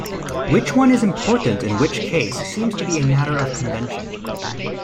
Which one is important in which case seems to be a matter of convention.